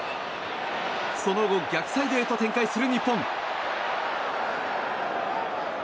その後、逆サイドへと展開する日本。